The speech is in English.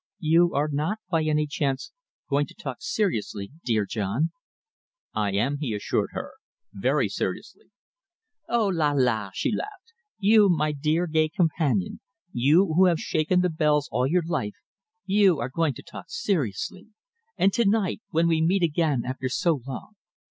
"You are not, by any chance, going to talk seriously, dear John?" "I am," he assured her, "very seriously." "Oh, la, la!" she laughed. "You, my dear, gay companion, you who have shaken the bells all your life, you are going to talk seriously! And to night, when we meet again after so long.